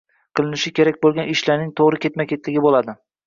– qilinishi kerak bo‘lgan ishlarning to‘g‘ri ketma-ketligi bo‘ladi.